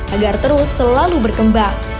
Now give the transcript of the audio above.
agar terus selalu berkembang